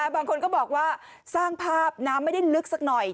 บางคนก็บอกว่าสร้างภาพน้ำไม่ได้ลึกสักหน่อย